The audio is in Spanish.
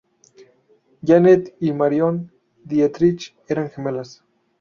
Janet y Marion Dietrich eran gemelas.